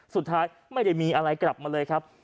สุดท้ายไม่ได้มีอะไรกลับมาเลยครับ